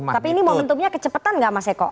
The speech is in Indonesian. tapi ini momentumnya kecepatan nggak mas eko